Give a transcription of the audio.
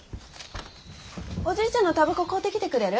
おじいちゃんのたばこ買うてきてくれる？